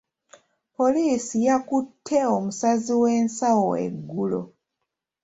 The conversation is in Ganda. Poliisi yakutte omusazi w'ensawo eggulo.